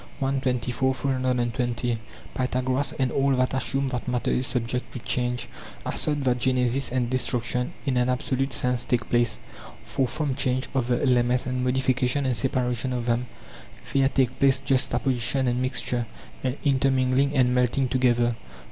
] i. 24; 820. Pythagoras and all that assume that matter is subject to change assert that genesis and destruction in an absolute sense take place ; for from change of the elements and modification and separation of them there take place juxtaposition and mixture, and intermingling and melting together.